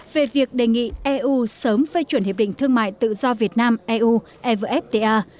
về việc đề nghị eu sớm phê chuẩn hiệp định thương mại tự do việt nam eu evfta